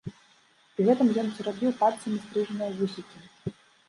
Пры гэтым ён церабіў пальцамі стрыжаныя вусікі.